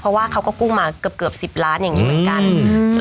เพราะว่าเขาก็กู้มาเกือบ๑๐ล้านอย่างนี้เหมือนกัน